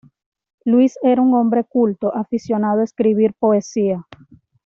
Luis era un hombre culto, aficionado a escribir poesía.